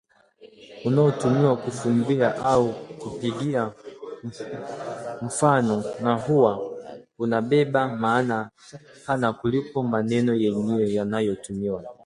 unaotumiwa kufumbia au kupigia mfano na huwa umebeba maana pana kuliko maneno yenyewe yanayotumiwa